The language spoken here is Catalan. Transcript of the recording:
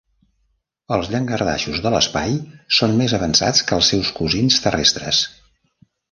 Els llangardaixos de l'espai són més avançats que els seus cosins terrestres.